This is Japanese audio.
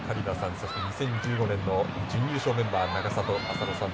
そして、２０１５年の準優勝メンバー、永里亜紗乃さん